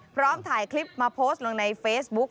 พร้อมถ่ายคลิปมาโพสต์ลงในเฟซบุ๊ก